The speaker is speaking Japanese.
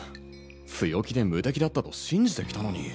強気で無敵だったと信じてきたのに。